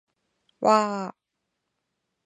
わー